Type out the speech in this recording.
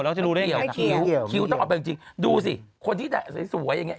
แล้วหลักกันมันเชื่อได้หรือแม่